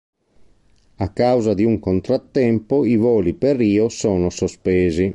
A causa di un contrattempo, i voli per Rio sono sospesi.